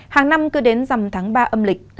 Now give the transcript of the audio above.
hàng năm cứ đến dằm tháng ba âm lịch